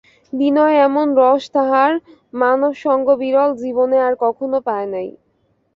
বিনয় এমন রস তাহার মানবসঙ্গবিরল জীবনে আর কখনো পায় নাই।